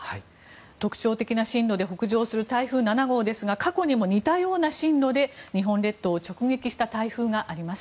特徴的な進路で北上する台風７号ですが過去にも似たような進路で日本列島を直撃した台風があります。